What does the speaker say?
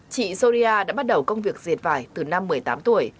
chị soria đã bắt đầu công việc diệt vải từ năm một mươi tám tuổi